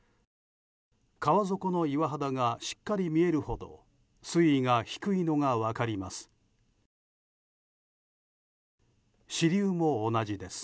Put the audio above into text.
川底の岩肌がしっかり見えるほど水位が低いのが分かります。